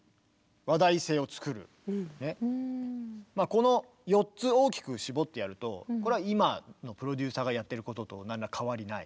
この４つ大きく絞ってやるとこれは今のプロデューサーがやってることと何ら変わりない。